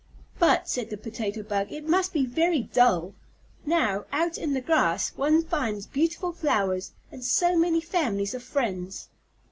"But," said the Potato Bug, "it must be very dull. Now, out in the grass, one finds beautiful flowers, and so many families of friends."